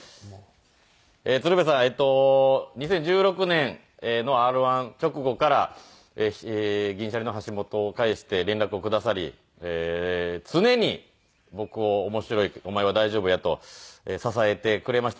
２０１６年のＲ−１直後から銀シャリの橋本を介して連絡をくださり常に僕を面白いお前は大丈夫やと支えてくれました。